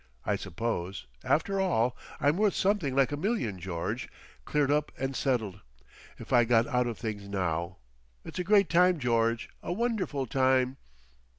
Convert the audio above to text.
I suppose, after all, I'm worth something like a million, George, cleared up and settled. If I got out of things now. It's a great time, George, a wonderful time!"...